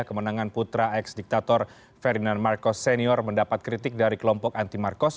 kemenangan putra ex diktator ferdinand marcos senior mendapat kritik dari kelompok anti marcos